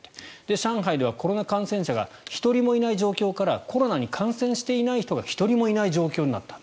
上海ではコロナ感染者が１人もいない状況からコロナに感染していない人が１人もいない状況になったと。